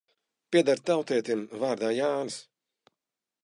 Pieder tautietim vārdā Jānis.